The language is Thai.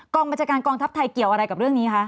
บัญชาการกองทัพไทยเกี่ยวอะไรกับเรื่องนี้คะ